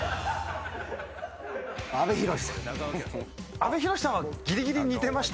阿部寛さん。